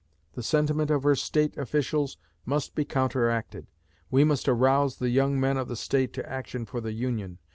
The sentiment of her State officials must be counteracted. We must arouse the young men of the State to action for the Union.